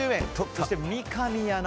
そして三上アナ